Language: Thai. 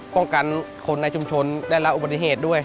ป้องกันคนในชุมชนได้รับอุบัติเหตุด้วย